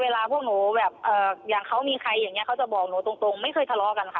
เวลาพวกหนูแบบอย่างเขามีใครอย่างนี้เขาจะบอกหนูตรงไม่เคยทะเลาะกันค่ะ